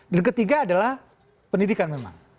dan ketiga adalah pendidikan memang